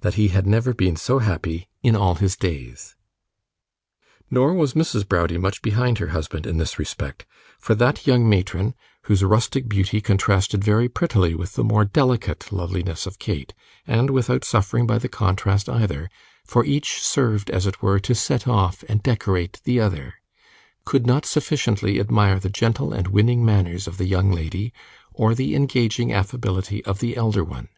that he had never been so happy in all his days. Nor was Mrs. Browdie much behind her husband in this respect, for that young matron, whose rustic beauty contrasted very prettily with the more delicate loveliness of Kate, and without suffering by the contrast either, for each served as it were to set off and decorate the other, could not sufficiently admire the gentle and winning manners of the young lady, or the engaging affability of the elder one.